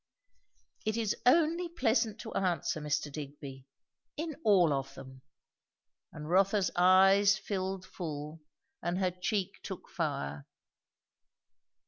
"It is only pleasant to answer, Mr. Digby. In all of them." And Rotha's eyes filled full, and her cheek took fire.